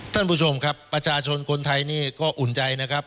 ท่านผู้ชมครับประชาชนคนไทยนี่ก็อุ่นใจนะครับ